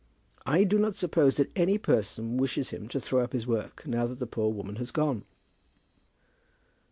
I do not suppose that any person wishes him to throw up his work now that that poor woman has gone."